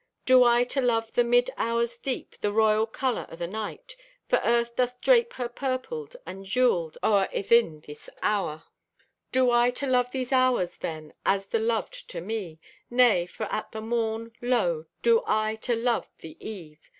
Do I to love the mid hours deep— The royal color o' the night? For earth doth drape her purpled, And jeweled o'er athin this hour. Do I to love these hours, then, As the loved o' me? Nay, for at the morn, Lo, do I to love the eve!